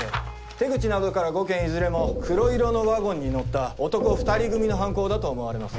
手口などから５件いずれも黒色のワゴンに乗った男２人組の犯行だと思われます。